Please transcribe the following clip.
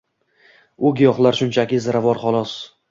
U giyohlar shunchaki ziravor, xolos